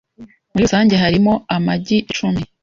Muri rusange harimo amagi icumi.